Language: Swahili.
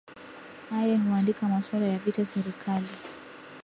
aye huandika maswala ya vita serikali